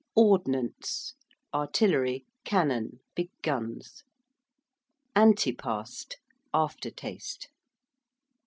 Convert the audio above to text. ~ordnance~: artillery, cannon, big guns. ~antipast~: aftertaste.